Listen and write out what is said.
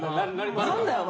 何だよお前！